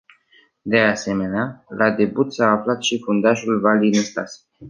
De asemenea, la debut s-a aflat și fundașul Vali Năstase.